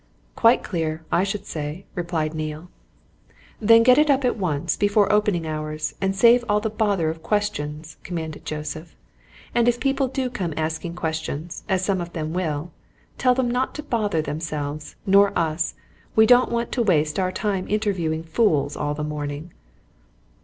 "Quite clear, I should say," replied Neale. "Then get it up at once, before opening hours, and save all the bother of questions," commanded Joseph. "And if people do come asking questions as some of them will! tell them not to bother themselves nor us. We don't want to waste our time interviewing fools all the morning."